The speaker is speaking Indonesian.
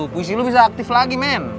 puisi lu bisa aktif lagi men